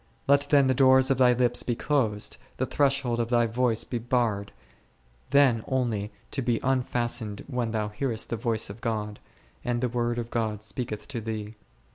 Let then the doors of thy lips be closed, the threshold of thy voice be barred, then only to be unfastened when thou hearest the voice of God, and the Word of God speaketh to thee.